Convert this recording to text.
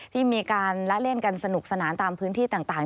ที่มีการละเล่นกันสนุกสนานตามพื้นที่ต่าง